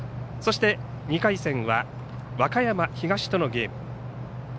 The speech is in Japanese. そして、２回戦は和歌山東とのゲーム。